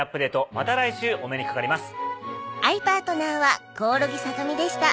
また来週お目にかかります。